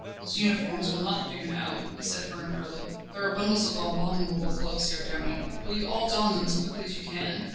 "Those uniforms will not do now," he said peremptorily; "there are bundles of abominable clothes here, Tony. Will you all don them as quickly as you can?